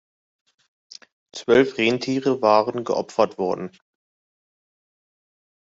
Zwölf Rentiere waren geopfert worden.